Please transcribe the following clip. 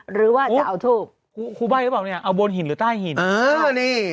หรือว่าจะเอาทูบครูใบ้หรือเปล่าเนี่ยเอาบนหินหรือใต้หินเออนี่